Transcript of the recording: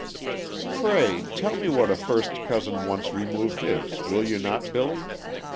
"Pray tell me what a first cousin once removed is, will you not, Billy?